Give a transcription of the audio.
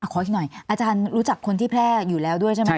ขออีกหน่อยอาจารย์รู้จักคนที่แพร่อยู่แล้วด้วยใช่ไหม